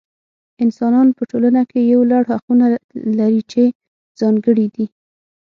انسانان په ټولنه کې یو لړ حقونه لري چې ځانګړي دي.